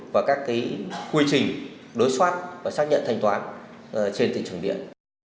và các quy trình đối soát và xác nhận thanh toán trên thị trường điện